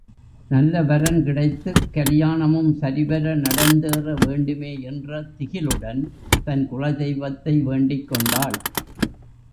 நல்ல வரன் கிடைத்துக் கல்யாணமும் சரிவர நடந்தேற வேண்டுமேயென்ற திகிலுடன் தன் குலதெய்வத்தை வேண்டிக் கொண்டாள்.